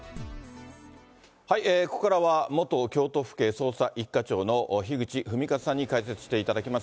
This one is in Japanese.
ここからは元京都府警捜査一課長の樋口文和さんに解説していただきます。